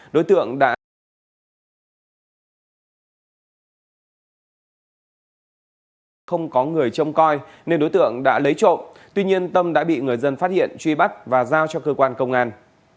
đối tượng đã lấy trộm tuy nhiên tâm đã bị người dân phát hiện truy bắt và giao cho cơ quan công an